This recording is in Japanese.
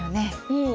うん。